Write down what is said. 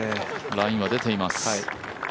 ラインは出ています。